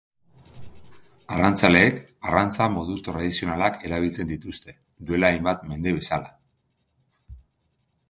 Arrantzaleek arrantza modu tradizionalak erabiltzen dituzte, duela hainbat mende bezala.